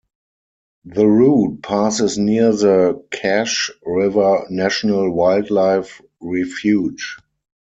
The route passes near the Cache River National Wildlife Refuge.